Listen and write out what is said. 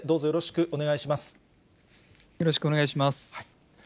よろしくお願いします。